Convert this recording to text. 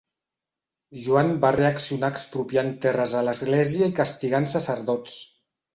Joan va reaccionar expropiant terres a l'Església i castigant sacerdots.